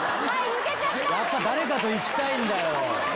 やっぱ誰かと行きたいんだよ。